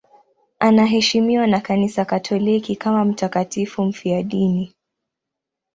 Anaheshimiwa na Kanisa Katoliki kama mtakatifu mfiadini.